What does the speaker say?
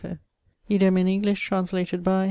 Idem, in English, translated by